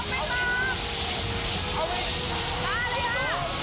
ทรงอด